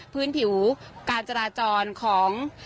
พื้นผิวการจราจรของ